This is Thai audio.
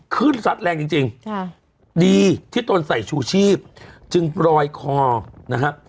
ขึ้นซัดแรงจริงจริงค่ะดีที่ตนใส่ชูชีพจึงปลอยคอนะฮะ